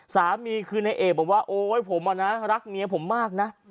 สามีคือในเอกบอกว่าโอ๊ยผมอะนะรักเมียผมมากนะ